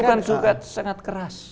itu kan juga sangat keras